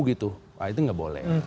nah itu gak boleh